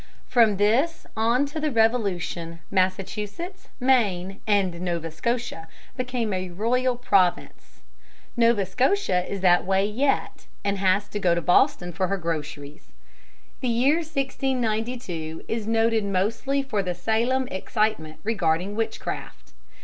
From this on to the Revolution, Massachusetts, Maine, and Nova Scotia became a royal province. Nova Scotia is that way yet, and has to go to Boston for her groceries. [Illustration: OPENING OF THE WITCH HUNTING SEASON.] The year 1692 is noted mostly for the Salem excitement regarding witchcraft.